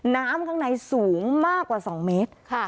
น้ำข้างในสูงมากกว่า๒เมตร